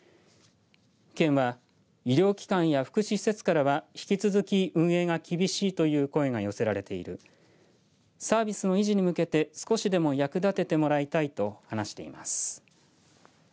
県は医療機関や福祉施設からは引き続き運営が厳しいという声が寄せられているサービスの維持に向けて少しでも役立ててもらいたいと話しています。